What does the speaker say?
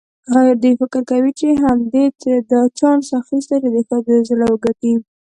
دی فکر کوي چې همدې ترې دا چانس اخیستی چې د ښځو زړه وګټي.